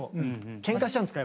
ケンカしちゃうんですか？